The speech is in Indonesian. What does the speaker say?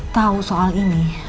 tahu soal ini